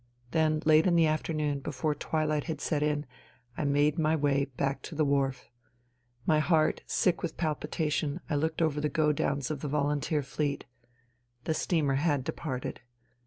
Then, late in the afternoon, before twilight had set in, I made my way back to the wharf. My heart sick with palpitation, I looked over the go downs of the Volunteer Fleet. The steamer had departed.